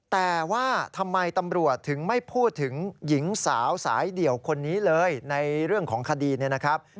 แต่ว่าทำไมตำรวจถึงไม่พูดถึงหญิงสาวสายเดี่ยวคนนี้เลยในเรื่องของคดีเนี่ยนะครับ